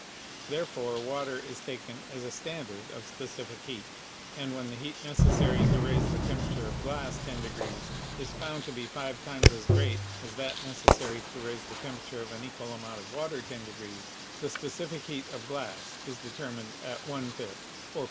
Therefore, water is taken as a standard of specific heat, and when the heat necessary to raise the temperature of glass 10 degrees is found to be five times as great as that necessary to raise the temperature of an equal amount of water 10 degrees, the specific heat of glass is determined at one fifth or